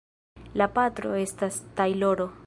La patro estas tajloro.